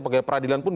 pegawai peradilan pun